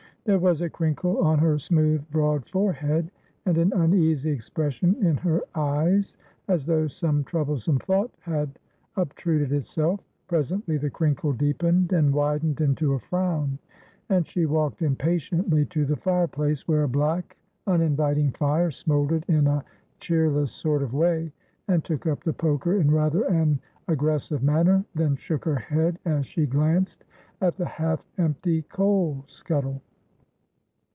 There was a crinkle on her smooth broad forehead, and an uneasy expression in her eyes as though some troublesome thought had obtruded itself presently the crinkle deepened and widened into a frown, and she walked impatiently to the fireplace, where a black, uninviting fire smouldered in a cheerless sort of way, and took up the poker in rather an aggressive manner, then shook her head, as she glanced at the half empty coal scuttle.